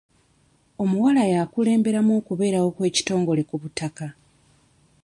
Omuwala yakulemberamu okubeerawo kw'ekitongole ku butaka.